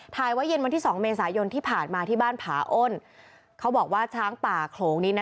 ถ่ายไว้เย็นวันที่สองเมษายนที่ผ่านมาที่บ้านผาอ้นเขาบอกว่าช้างป่าโขลงนี้นะ